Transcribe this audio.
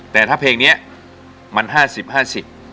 แต่ถ้าเพลงเนี้ยมันห้าสิบห้าสิบ